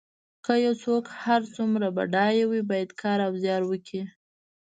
که یو څوک هر څومره بډای وي باید کار او زیار وکړي.